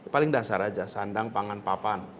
paling dasar aja sandang pangan papan